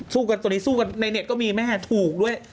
สู้กันสู่กันในเน็ตก็มีแม่ถูกด้วย